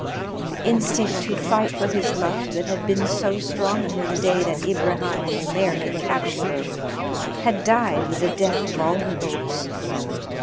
The instinct to fight for his love that had been so strong in her the day that Ibraheim Omair had captured her had died with the death of all her hopes.